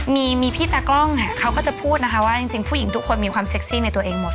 มีพี่ตากล้องเขาก็จะพูดนะคะว่าจริงผู้หญิงทุกคนมีความเซ็กซี่ในตัวเองหมด